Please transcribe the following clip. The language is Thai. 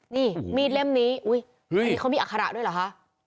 นี่มีดเล่มนี้อุ้ยเฮ้ยเขามีอาคาระด้วยเหรอฮะ